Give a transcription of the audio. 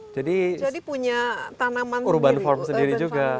jadi punya tanaman urban form sendiri juga